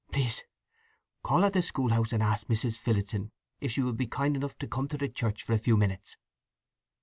"Please call at the schoolhouse and ask Mrs. Phillotson if she will be kind enough to come to the church for a few minutes."